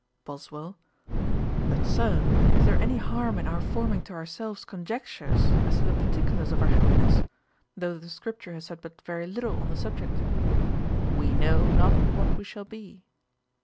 BOSWELL. 'But, Sir, is there any harm in our forming to ourselves conjectures as to the particulars of our happiness, though the scripture has said but very little on the subject? "We know not what we shall be."'